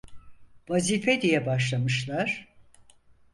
Vazife diye başlamışlar…